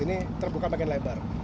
ini terbuka bagian lebar